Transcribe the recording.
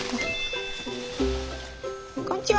こんにちは。